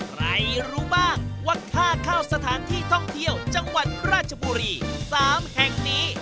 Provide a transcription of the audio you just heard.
รู้บ้างว่าค่าเข้าสถานที่ท่องเที่ยวจังหวัดราชบุรี๓แห่งนี้